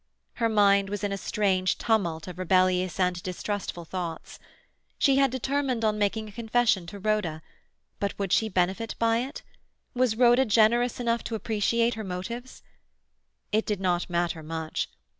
Her mind was in a strange tumult of rebellious and distrustful thought. She had determined on making a confession to Rhoda; but would she benefit by it? Was Rhoda generous enough to appreciate her motives? It did not matter much.